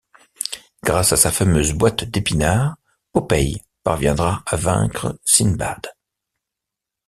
Grâce à sa fameuse boîte d'épinards, Popeye parviendra à vaincre Sindbad.